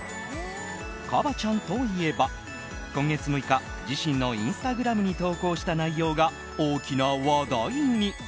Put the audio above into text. ＫＡＢＡ．ちゃんといえば今月６日自身のインスタグラムに投稿した内容が大きな話題に。